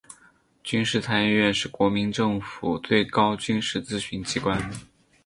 军事参议院是国民政府最高军事咨询机关。